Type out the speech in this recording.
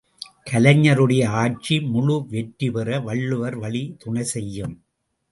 கலைஞருடைய ஆட்சி முழு வெற்றி பெற வள்ளுவர் வழி துணை செய்யும்.